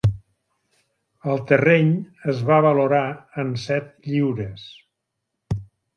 El terreny es va valorar en set lliures.